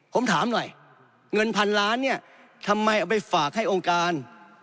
ผมถามหน่อยเงินพันล้านเนี่ยทำไมเอาไปฝากให้องค์การ